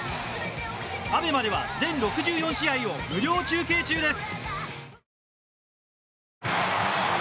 ＡＢＥＭＡでは全６４試合を無料中継中です。